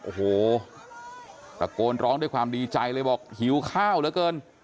โอ้โหตะโกนร้องด้วยความดีใจเลยบอกหิวข้าวเหลือเกิน